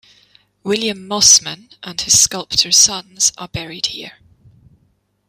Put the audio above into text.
William Mossman and his sculptor sons are buried here.